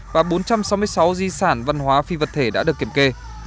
và bốn trăm sáu mươi sáu di sản văn hóa phi vật thể đã được kiểm kê